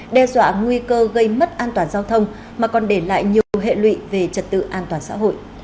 đe dọa nguy cơ gây mất an toàn giao thông mà còn để lại nhiều hệ lụy về trật tự an toàn xã hội